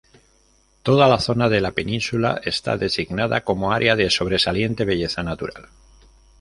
Toda la zona de la península está designada como Área de Sobresaliente Belleza Natural.